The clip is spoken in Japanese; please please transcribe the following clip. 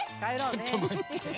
ちょっとまって。